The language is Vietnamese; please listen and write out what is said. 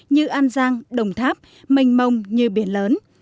như an giang đồng tháp mênh mông như biển lớn